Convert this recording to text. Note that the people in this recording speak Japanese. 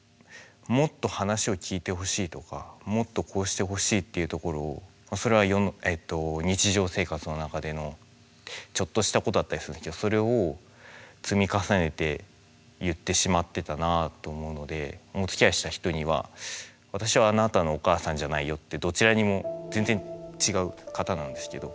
もっと話を聞いてほしいとかもっとこうしてほしいっていうところをそれは日常生活の中でのちょっとしたことだったりするんですけどそれを積み重ねて言ってしまってたなあと思うのでおつきあいした人にはってどちらにも全然違う方なんですけど。